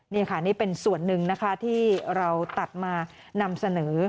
นี่ค่ะนี่เป็นส่วนหนึ่งนะคะที่เราตัดมานำเสนอ